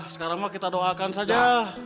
sekarang mah kita doakan saja